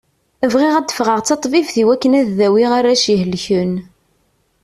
Bɣiɣ ad d-fɣeɣ d taṭbibt iwakken ad dawiɣ arrac ihelken.